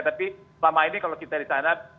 tapi selama ini kalau kita di sana